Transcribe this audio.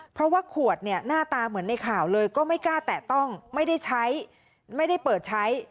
เพราะว่าขวดเนี่ยหน้าตาเหมือนในข่าวเลยก็ไม่กล้าแตะต้องไม่ได้ใช้ไม่ได้เปิดใช้